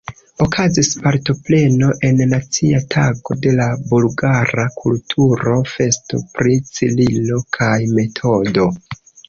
Okazis partopreno en nacia tago de la bulgara kulturo-festo pri Cirilo kaj Metodo.